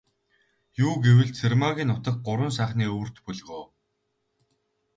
Юу гэвэл, Цэрмаагийн нутаг Гурван сайхны өвөрт бөлгөө.